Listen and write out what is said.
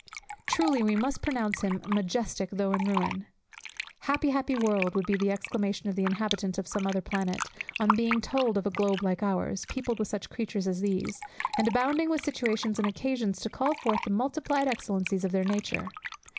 Truly we must pronounce him "majestic though in ruin." "Happy, happy world," would be the exclamation of the inhabitant of some other planet, on being told of a globe like ours, peopled with such creatures as these, and abounding with situations and occasions to call forth the multiplied excellencies of their nature.